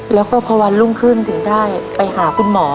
แล้วก็พอวันรุ่งขึ้นถึงได้ไปหาคุณหมอ